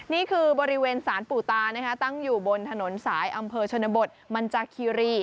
นี่คือบริเวณสารปู่ตานะคะตั้งอยู่บนถนนสายอำเภอชนบทมันจากคีรี